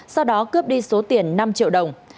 sau đó cướp đi số tiền năm triệu đồng